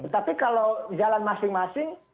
tapi kalau jalan masing masing